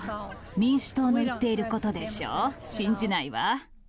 民主党の言っていることでしょう、信じないわ。